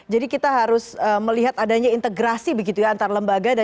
jadi kita harus melihat adanya integrasi begitu ya antar lembaga dan juga perusahaan